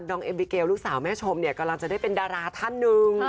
เอมบิเกลลูกสาวแม่ชมเนี่ยกำลังจะได้เป็นดาราท่านหนึ่ง